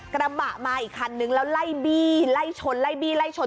กระบะมาอีกคันนึงแล้วไล่บี้ไล่ชนไล่บี้ไล่ชน